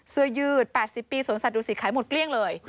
เสื้อยืด๘๐ปีสวนสัตวศิษขายหมดเกลี้ยงเลย